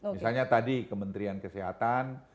misalnya tadi kementerian kesehatan